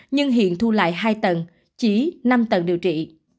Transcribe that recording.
nhưng hiện thu lại hai tầng chỉ năm tầng điều trị